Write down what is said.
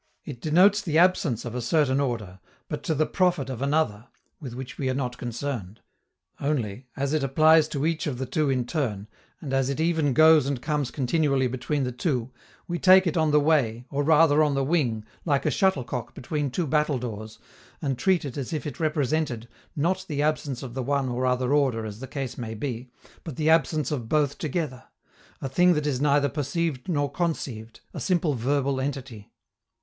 It denotes the absence of a certain order, but to the profit of another (with which we are not concerned); only, as it applies to each of the two in turn, and as it even goes and comes continually between the two, we take it on the way, or rather on the wing, like a shuttlecock between two battledores, and treat it as if it represented, not the absence of the one or other order as the case may be, but the absence of both together a thing that is neither perceived nor conceived, a simple verbal entity.